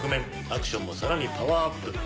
アクションもさらにパワーアップ。